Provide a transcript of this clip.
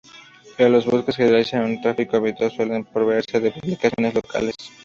Pero los buques que realizan un tráfico habitual suelen proveerse de publicaciones locales.